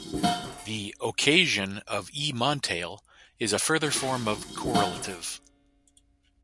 The "occasion" of E. Montale is a further form of correlative.